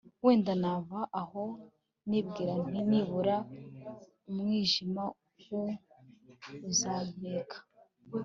wenda nava aho nibwira nti nibura umwijima wo uzantwikira